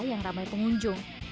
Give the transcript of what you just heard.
yang ramai pengunjung